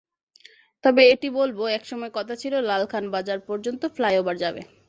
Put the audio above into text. তবে এটি বলব, একসময় কথা ছিল, লালখান বাজার পর্যন্ত ফ্লাইওভার যাবে।